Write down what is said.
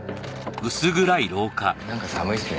なんか寒いっすね。